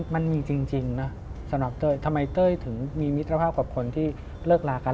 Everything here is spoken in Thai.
มันมีจริงนะสำหรับเต้ยทำไมเต้ยถึงมีมิตรภาพกับคนที่เลิกลากัน